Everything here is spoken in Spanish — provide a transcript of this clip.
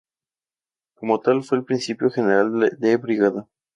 Como tal fue al principio general de brigada.